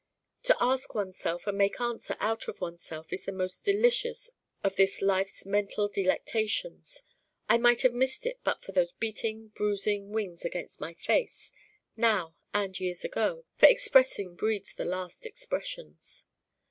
To ask oneself and make answer out of oneself is the most delicious of this life's mental delectations. I might have missed it but for those beating bruising wings against my face, now and years ago: for expressing breeds the last Expressions.